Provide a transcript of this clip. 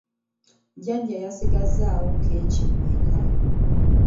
Jjajja yasigazaawo keeki mmeka?